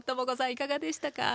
いかがでしたか？